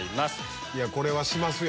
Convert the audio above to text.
これはしますよ。